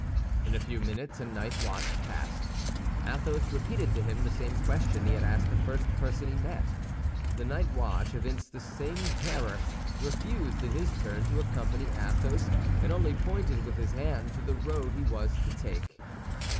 In a few minutes a night watch passed. Athos repeated to him the same question he had asked the first person he met. The night watch evinced the same terror, refused, in his turn, to accompany Athos, and only pointed with his hand to the road he was to take.